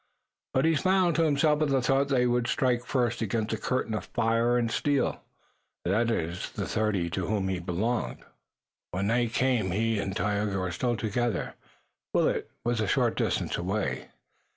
But he smiled to himself at the thought that they would strike first against the curtain of fire and steel, that is, the thirty to whom he belonged. When night came he and Tayoga were still together and Willet was a short distance away.